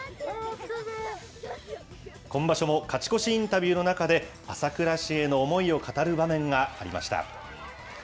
今場所も勝ち越しインタビューの中で、朝倉市への思いを語る場面がありました。